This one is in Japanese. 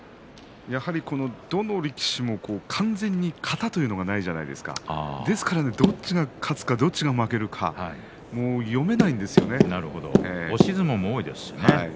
どの力士も完全に型というのがないんじゃないですかどっちが勝つかどっちが負けるか押し相撲も多いですしね。